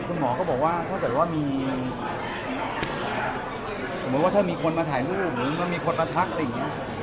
คุณหมอก็บอกว่าถ้าเกิดว่ามีสมมุติว่าถ้ามีคนมาถ่ายรูปหรือมีคนมาทักอะไรอย่างนี้